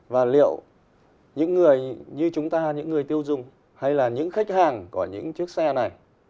và liệu những người như chúng ta những người tiêu dùng hay là những khách hàng của những chiếc xe này